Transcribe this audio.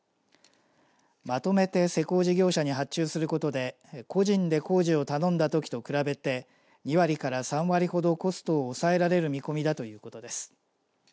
まとめて施工事業者に発注することで個人で工事を頼んだときと比べて２割から３割ほどコストを抑えられる見込みだということです。